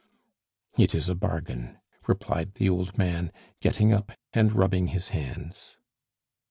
"It is a bargain," replied the old man, getting up and rubbing his hands.